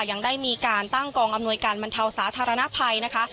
ยังได้มีการตั้งกองอำนวยการบรรเทาสาธารณภัยนะคะ